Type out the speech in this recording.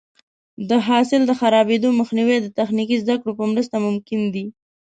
د حاصل د خرابېدو مخنیوی د تخنیکي زده کړو په مرسته ممکن دی.